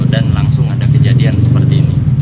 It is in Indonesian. dan langsung ada kejadian seperti ini